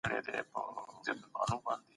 دولت باید امنیتي چاري ښې کړي.